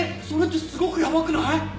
それってすごくやばくない？